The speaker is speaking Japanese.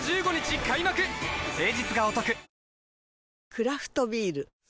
クラフトビール